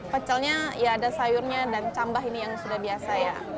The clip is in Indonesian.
pecelnya ya ada sayurnya dan cambah ini yang sudah biasa ya